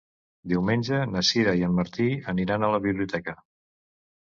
Diumenge na Sira i en Martí aniran a la biblioteca.